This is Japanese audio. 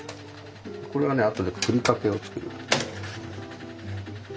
これはね後でふりかけを作る。